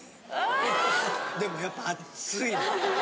でもやっぱ熱い。